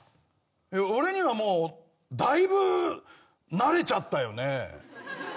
俺にはもうだいぶ慣れちゃったよね。